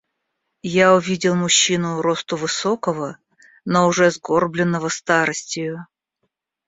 Я увидел мужчину росту высокого, но уже сгорбленного старостию.